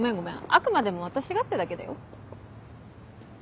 あくまでも私がってだけだよ。